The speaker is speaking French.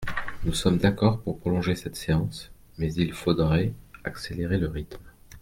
Nous sommes d’accord pour prolonger cette séance, mais il faudrait accélérer le rythme.